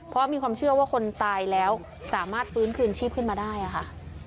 เพราะมีความเชื่อว่าคนตายแล้วสามารถฟื้นคืนชีพขึ้นมาได้ค่ะ